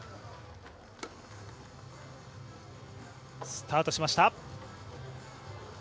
スタートしました。